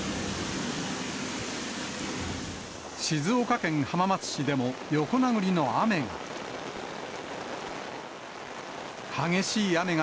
静岡県浜松市でも、横殴りの雨が。